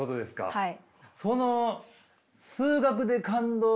はい。